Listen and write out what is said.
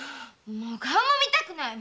「もう顔も見たくない」